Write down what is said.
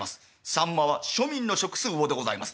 さんまは庶民の食す魚でございます。